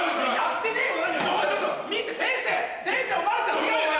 違うよな？